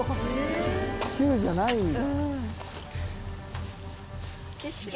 「９じゃないんだ」